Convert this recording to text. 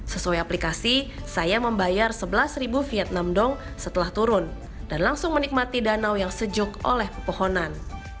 sesuai aplikasi saya membayar sebelas vietnam dong setelah turun dan langsung menikmati danau yang sejuk oleh pepohonan